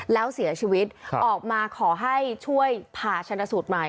แล้วเสียชีวิตออกมาขอให้ช่วยผ่าชนสูตรใหม่